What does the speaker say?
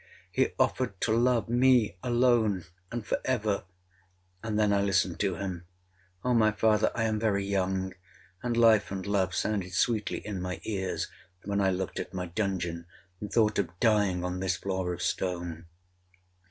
He offered to love me alone, and for ever—and then I listened to him. Oh, my father, I am very young, and life and love sounded sweetly in my ears, when I looked at my dungeon, and thought of dying on this floor of stone!